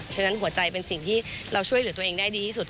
ฉะนั้นหัวใจเป็นสิ่งที่เราช่วยเหลือตัวเองได้ดีที่สุด